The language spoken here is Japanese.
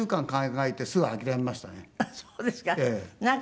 あっそうですか。